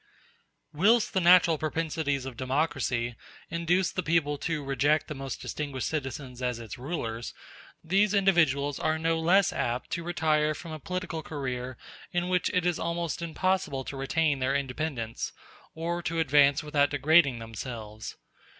Whilst the natural propensities of democracy induce the people to reject the most distinguished citizens as its rulers, these individuals are no less apt to retire from a political career in which it is almost impossible to retain their independence, or to advance without degrading themselves.